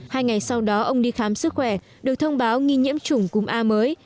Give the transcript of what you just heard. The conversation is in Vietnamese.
hai ngày sau đó ông đi khám sức khỏe được thông báo nghi nhiễm chủng cúm a mới